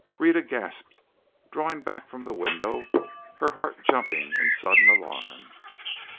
Rhetta gasped, drawing back from the window, her heart jumping in sudden alarm.